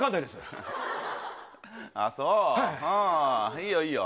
いいよ、いいよ。